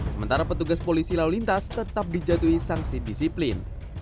sementara petugas polisi lalu lintas tetap dijatuhi sanksi disiplin